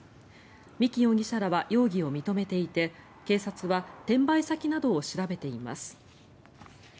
三木容疑者らは容疑を認めていて警察は転売先などを調べています。